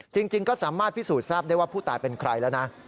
จริงก็สามารถพิสูจน์ทราบได้ว่าผู้ตายเป็นใครแล้วนะ